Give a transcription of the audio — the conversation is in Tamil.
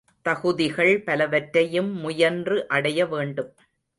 தகுதிகள் பலவற்றையும் முயன்று அடைய வேண்டும்.